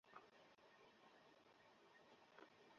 তারা ওমর ফারুককে ফেরত চায়।